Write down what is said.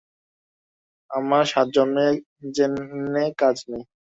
আমার সাতজন্মে জেনে কাজ নেই।